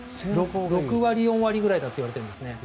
６割、４割くらいだといわれています。